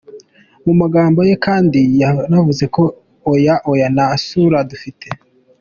Mu magambo ye Kandiho yaravuze ati: Oya Oya nta Sulah dufite.